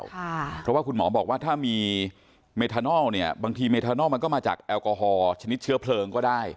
เพราะว่าคุณหมอบอกว่าถ้ามีเมทานอลเนี่ยบางทีเมทานอลมันก็มาจากแอลกอฮอลชนิดเชื้อเพลิงก็ได้